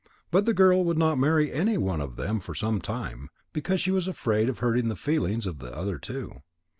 But the girl would not marry any one of them for some time, because she was afraid of hurting the feelings of the other two.